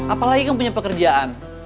apalagi kamu punya pekerjaan